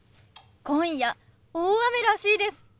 今夜大雨らしいです。